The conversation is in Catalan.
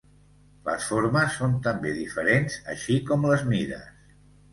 Les formes són també diferents així com les mides.